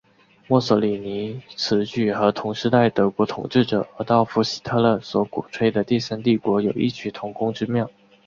墨索里尼此举和同时代德国统治者阿道夫希特勒所鼓吹的第三帝国有异曲同工之妙。